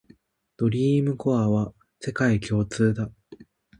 ドリームコアは世界共通だ